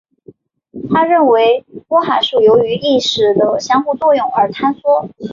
他认为波函数由于与意识的相互作用而坍缩。